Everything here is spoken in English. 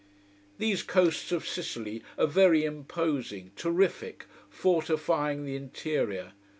These coasts of Sicily are very imposing, terrific, fortifying the interior.